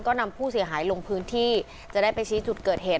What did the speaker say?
ก็นำผู้เสียหายลงพื้นที่จะได้ไปชี้จุดเกิดเหตุ